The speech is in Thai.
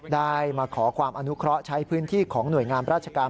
ได้มาขอความอนุเคราะห์ใช้พื้นที่ของหน่วยงามราชการ